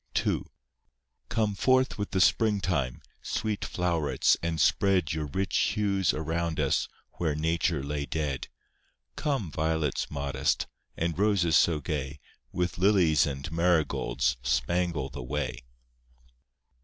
II Come forth with the spring time, Sweet flow'rets, and spread Your rich hues around us Where nature lay dead; Come, violets modest, And roses so gay, With lilies and marigolds, Spangle the way.